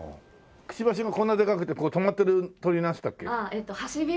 くちばしがこんなでかくてとがってる鳥なんていったっけ？